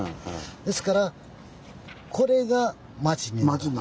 ですからこれが町になる。